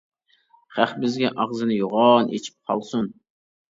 خەق بىزگە ئاغزىنى يوغان ئېچىپ قالسۇن!